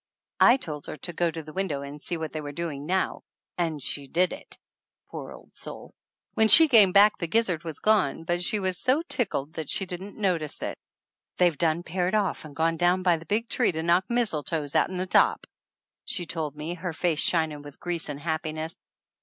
I told her to go to the window and see what they were doing now, and she did it, poor old soul! When she came back the gizzard was gone, but she was so tickled that she didn't notice it. 213 THE ANNALS OF ANN "They've done paired off and gone down by the big tree to knock mistletoe out'n the top," she told me, her face shining with grease and happiness.